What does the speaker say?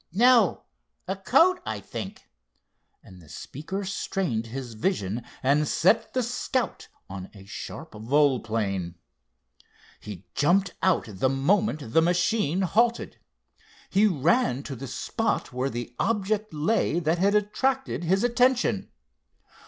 No, a coat, I think," and the speaker strained his vision, and set the Scout on a sharp volplane. He jumped out the moment the machine halted. He ran to the spot where the object lay that had attracted his attention.